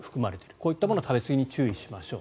こういうものの食べ過ぎに注意しましょう。